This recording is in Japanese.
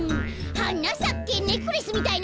「はなさけネックレスみたいなはな」